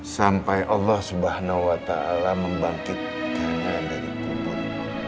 sampai allah swt membangkitkan dari kubur